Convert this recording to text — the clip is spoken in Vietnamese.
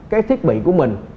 cái thiết bị của mình